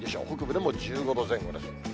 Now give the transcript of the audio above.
北部でも１５度前後です。